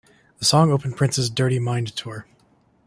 The song opened Prince's "Dirty Mind" tour.